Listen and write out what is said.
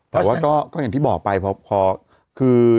แต่ว่าก็อย่างที่บอกไปพอคือ